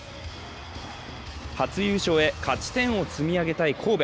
初優勝へ勝ち点を積み上げたい神戸。